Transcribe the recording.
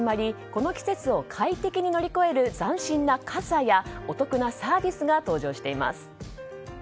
この季節を快適に乗り越える斬新な傘やお得なサービスが登場しています。